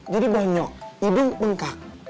jadi banyak hidung bengkak